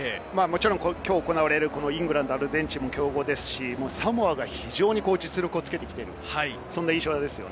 きょう行われるイングランド対アルゼンチンも強豪ですし、サモアが非常に実力をつけてきている印象です。